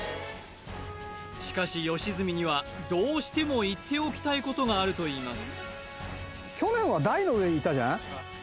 しかし良純にはどうしても言っておきたいことがあるといいます